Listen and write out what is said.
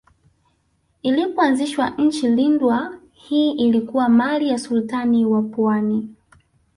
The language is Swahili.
Ilipoanzishwa Nchi lindwa hii ilikuwa mali ya Sultani wa Pwani